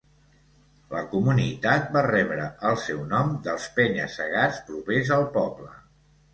La comunitat va rebre el seu nom dels penya-segats propers al poble.